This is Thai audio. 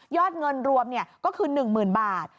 เงินรวมก็คือ๑๐๐๐บาท